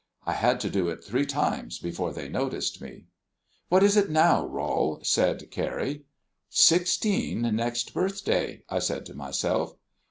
I had to do it three times before they noticed me. "What is it now, Rol?" said Carrie. "Sixteen next birthday," I said to myself.